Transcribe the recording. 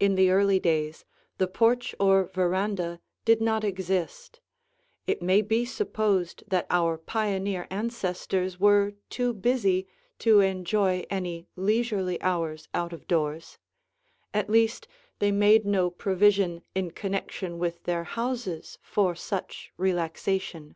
In the early days, the porch or veranda did not exist; it may be supposed that our pioneer ancestors were too busy to enjoy any leisurely hours out of doors; at least, they made no provision in connection with their houses for such relaxation.